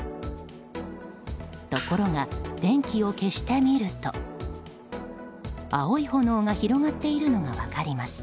ところが電気を消してみると青い炎が広がっているのが分かります。